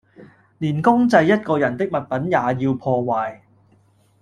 連公祭一個人的物品也要破壞